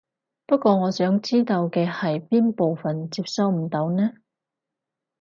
不過我想知道嘅係邊部分接收唔到呢？